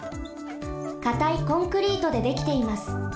かたいコンクリートでできています。